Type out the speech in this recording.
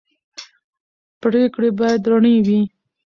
پرېکړې باید رڼې وي